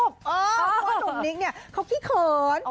เพราะว่าหนุ่มนิกเนี่ยเขาขี้เขิน